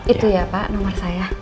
itu ya pak nomor saya